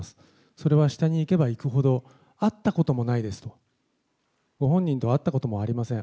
それは下にいけばいくほど、会ったこともないですと、ご本人と会ったこともありません、